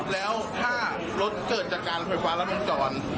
แล้วถ้ารถเดินจากกันเรามันจอด